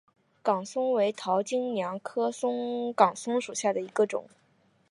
岗松为桃金娘科岗松属下的一个种。